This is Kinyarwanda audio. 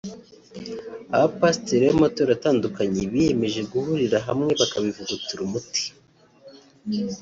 abapasiteri b’amatorero atandukanye biyemeje guhurira hamwe bakabivugutira umuti